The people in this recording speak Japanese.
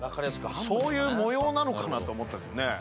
そういう模様なのかなと思ったけどね。